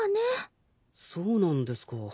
そうなんですか。